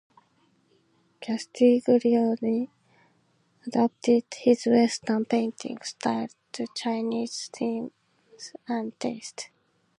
Castiglione adapted his Western painting style to Chinese themes and taste.